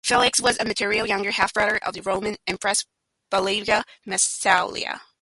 Felix was a maternal younger half-brother of the Roman empress Valeria Messalina.